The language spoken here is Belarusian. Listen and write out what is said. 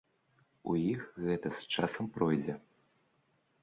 У іх гэта з часам пройдзе.